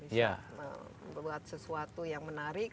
bisa membuat sesuatu yang menarik